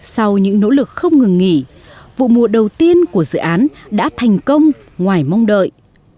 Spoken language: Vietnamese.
sau những nỗ lực không ngừng nghỉ vụ mùa đầu tiên của dự án đã thành công ngoài mong đợi